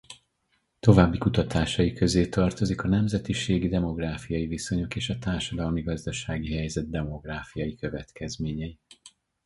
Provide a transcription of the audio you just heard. További kutatásai közé tartozik a nemzetiségi demográfiai viszonyok és a társadalmi-gazdasági helyzet demográfiai következményei.